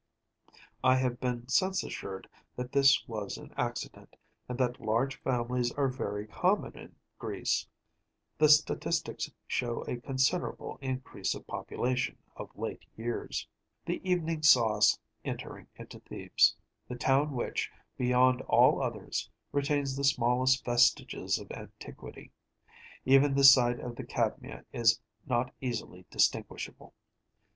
I have been since assured that this was an accident, and that large families are very common in Greece. The statistics show a considerable increase of population of late years.(96) The evening saw us entering into Thebes‚ÄĒthe town which, beyond all others, retains the smallest vestiges of antiquity. Even the site of the Cadmea is not easily distinguishable.